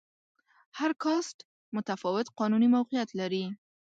هر کاسټ متفاوت قانوني موقعیت درلود.